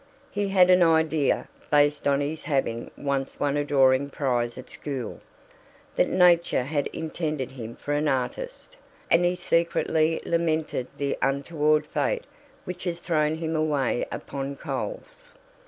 He had an idea, based on his having once won a drawing prize at school, that nature had intended him for an artist, and he secretly lamented the untoward fate which had thrown him away upon coals.